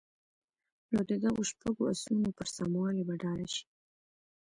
نو د دغو شپږو اصلونو پر سموالي به ډاډه شئ.